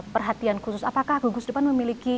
perhatian khusus apakah gugus depan memiliki